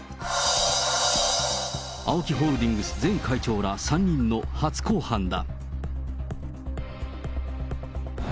ＡＯＫＩホールディングス前会長ら３人の初公判だ。